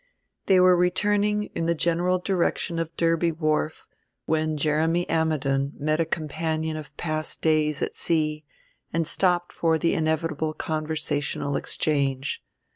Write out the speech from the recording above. They were returning, in the general direction of Derby Wharf, when Jeremy Ammidon met a companion of past days at sea, and stopped for the inevitable conversational exchange.